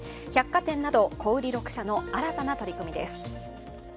百貨店など小売６社の新たな取り組みです。